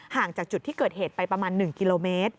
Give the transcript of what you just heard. จากจุดที่เกิดเหตุไปประมาณ๑กิโลเมตร